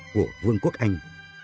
của vương quốc anh